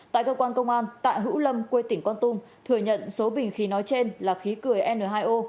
tại cơ quan công an tại hữu lâm quê tỉnh quang tung thừa nhận số bình khí nói trên là khí cửa n hai o